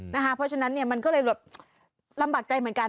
เพราะฉะนั้นมันก็เลยแบบลำบากใจเหมือนกัน